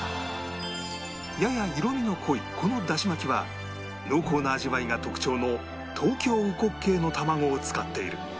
やや色味の濃いこのだしまきは濃厚な味わいが特徴の東京烏骨鶏の卵を使っている